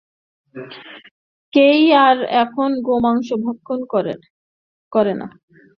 কেই আর এখন গোমাংস ভক্ষণ করে না।